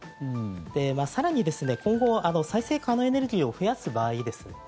更に今後、再生可能エネルギーを増やす場合です。